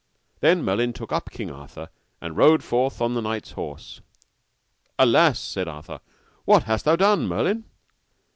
Then Merlin took up King Arthur, and rode forth on the knight's horse. Alas! said Arthur, what hast thou done, Merlin?